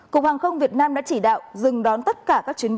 cục hàng không việt nam đã chỉ đạo dừng đón tất cả các chuyến bay